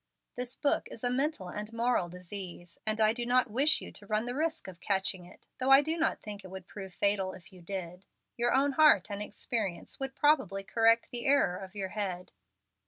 This book is a mental and moral disease, and I do not wish you to run the risk of catching it, though I do not think it would prove fatal if you did. Your own heart and experience would probably correct the error of your head.